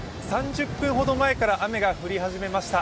３０分ほど前から雨が降り始めました。